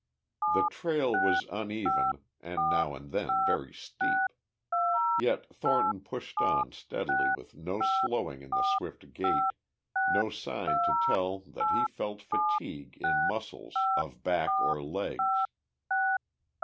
The trail was uneven, and now and then very steep. Yet Thornton pushed on steadily with no slowing in the swift gait, no sign to tell that he felt fatigue in muscles of back or legs.